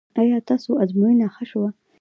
ایا ستاسو ازموینه ښه شوه؟